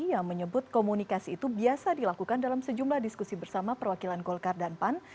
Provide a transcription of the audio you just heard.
yang menyebut komunikasi itu biasa dilakukan dalam sejumlah diskusi bersama perwakilan golkar dan pan